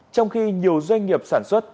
trong khi nhiều doanh nghiệp sản xuất